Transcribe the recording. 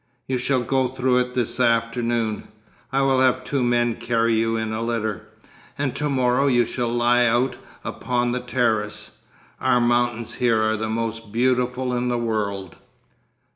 'You shall go through it this afternoon. I will have two men carry you in a litter. And to morrow you shall lie out upon the terrace. Our mountains here are the most beautiful in the world....